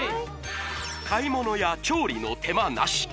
買い物や調理の手間なし！